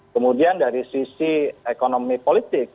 kemudian dari sisi ekonomi politik